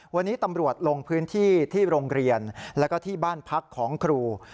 วันนี้ตำรวจลงพื้นที่ที่โรงเรียนแล้วก็ที่บ้านพักของครู